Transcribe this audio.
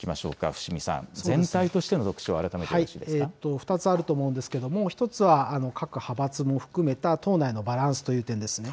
伏見さん、全体としての特徴を改２つあると思うんですけれども、１つは各派閥も含めた党内のバランスという点ですね。